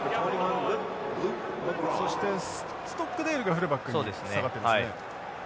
そしてストックデールがフルバックに下がっていますね。